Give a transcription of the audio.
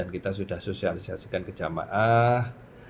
kita sudah sosialisasikan kejamaah